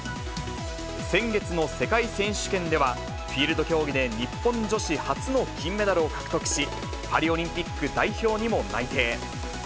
先月の世界選手権では、フィールド競技で日本女子初の金メダルを獲得し、パリオリンピック代表にも内定。